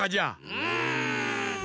うん！